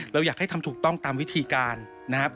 เราอยากให้ทำถูกต้องตามวิธีการนะครับ